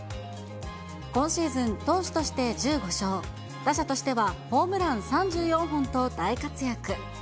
今シーズン、投手として１５勝、打者としてはホームラン３４本と大活躍。